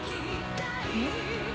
えっ？